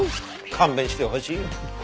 勘弁してほしいよ。